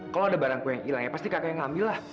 kalau ada barangku yang hilang ya pasti kakak yang ngambil lah